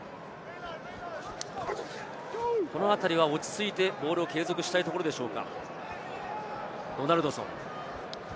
このあたりは落ち着いてボールを継続したいところでしょうか、ドナルドソン。